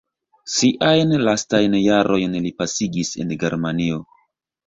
Siajn lastajn jarojn li pasigis en Germanio.